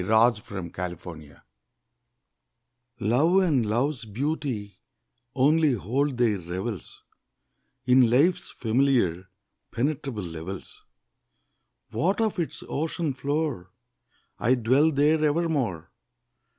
POET AND ANCHORITE Love and love's beauty only hold their revels In life's familiar, penetrable levels: What of its ocean floor? I dwell there evermore.